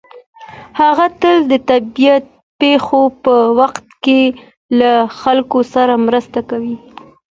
هغه تل د طبیعي پېښو په وخت کې له خلکو سره مرسته کوي.